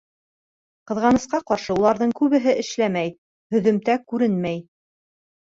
Ҡыҙғанысҡа ҡаршы, уларҙың күбеһе эшләмәй, һөҙөмтә күренмәй.